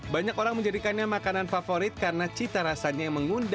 banyak orang menjadikannya makanan favorit karena cita rasanya yang mengundang